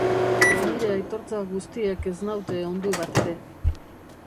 Nire aitortza guztiek ez naute ondu batere.